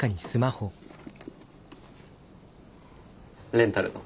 レンタルの。